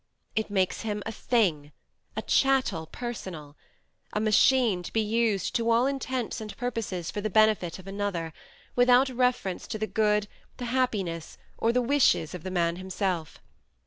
It makes him a thing, a chattel personal, a machine to be used to all intents and purposes for the benefit of another, without reference to the good, the happiness, or the wishes of the man himself.